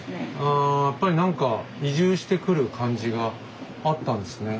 あやっぱりなんか移住してくる感じがあったんですね。